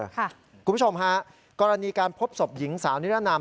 คุณผู้ชมฮะกรณีการพบศพหญิงสาวนิรนาม